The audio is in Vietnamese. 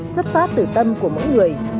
xuất phát từ tâm của mỗi người